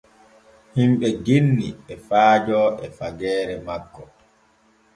Himɓe genni e faajo e fageere makko.